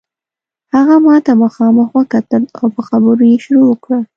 هغه ماته مخامخ وکتل او په خبرو یې شروع وکړه.